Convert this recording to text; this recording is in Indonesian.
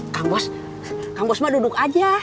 kang bos kang bos ma duduk aja